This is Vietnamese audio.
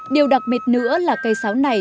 điều đặc biệt nữa là cây sáo này